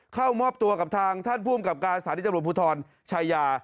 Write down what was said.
เข้ามอบตัวกับทางท่านผู้อำกับการสถานีตำรวจภูทรชายา